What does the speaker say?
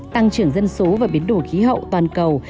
tăng trưởng dân số và biến đổi khí hậu toàn cầu